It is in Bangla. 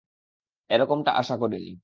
এরকমটা আশা করিনি!